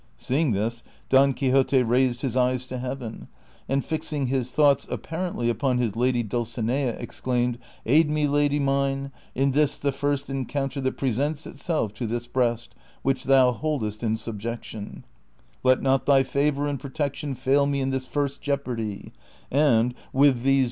Seeing this, Don Quixote raised his eyes to heaven, and fixing his thoughts, ap parently, upon his lady Dulcinea, exclaimed, <* Aid me, lady mine, in this the first encounter that presents itself to this breast which thou boldest in subjection ; let not thy favor and protection fail me in this first jeopardy ; and, with these words dation it remains incoherent.